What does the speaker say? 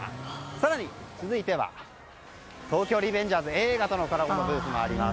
更に続いては「東京リベンジャーズ」映画とのコラボのブースです。